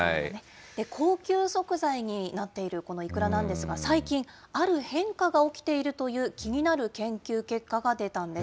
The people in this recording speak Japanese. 高級食材になっているこのイクラなんですが、最近、ある変化が起きているという気になる研究結果が出たんです。